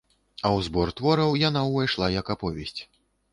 А ў збор твораў яна ўвайшла як аповесць.